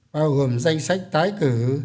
bao gồm danh sách tái cử